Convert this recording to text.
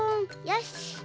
よし。